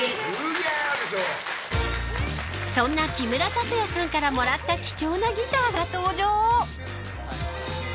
そんな木村拓哉さんからもらった貴重なギターが登場。